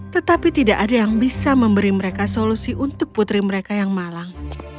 tetapi tidak ada yang bisa memberi mereka solusi untuk putri mereka yang malang